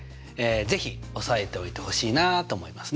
是非押さえておいてほしいなと思いますね。